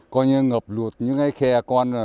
coi như ngập lụt những cái khe con